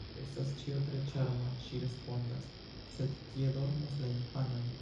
“Estas ĉio tre ĉarma”, ŝi respondas, “sed kie dormos la infanoj?”